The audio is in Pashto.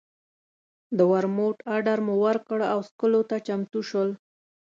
د ورموت اډر مو ورکړ او څښلو ته چمتو شول.